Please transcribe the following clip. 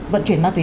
vận chuyển ma túy